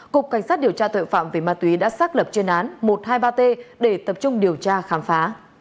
cục cảnh sát điều tra tội phạm về ma túy đã xác lập chuyên án một trăm hai mươi ba t để tập trung điều tra khám phá